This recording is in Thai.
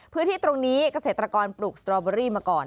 พื้นที่ตรงนี้เกษตรกรปลูกสตรอเบอรี่มาก่อน